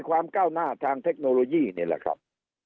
ความก้าวหน้าทางเทคโนโลยีนี่แหละครับ